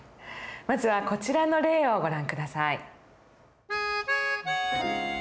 まずはこちらの例をご覧下さい。